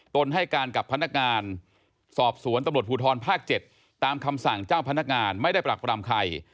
ตนให้การกับพนักงานสอบสวนตำรวจภูทรภาค๗ตามคำสั่งเจ้าพนักงานไม่ได้ปรับปรามใคร